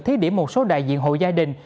thí điểm một số đại diện hội gia đình